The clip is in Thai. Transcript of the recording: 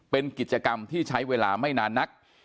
เป็นกิจกรรมที่ใช้เวลาไม่นานนัก